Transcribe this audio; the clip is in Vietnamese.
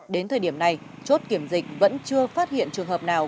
đến thời điểm này chốt kiểm dịch vẫn chưa phát hiện trường hợp nào